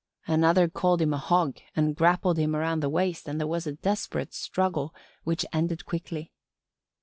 Another called him a hog and grappled him around the waist and there was a desperate struggle which ended quickly.